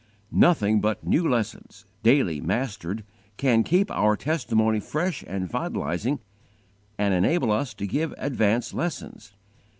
Nothing but new lessons, daily mastered, can keep our testimony fresh and vitalizing and enable us to give advance lessons.